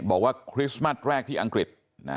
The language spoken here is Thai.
คริสต์มัสแรกที่อังกฤษ